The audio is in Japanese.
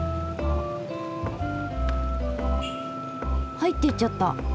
入っていっちゃった。